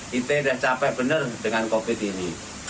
kita tidak capek benar dengan covid ini